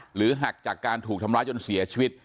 หักจากการถูกทำร้ายจนเสียชีวิต